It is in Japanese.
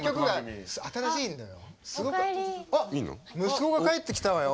息子が帰ってきたわよ。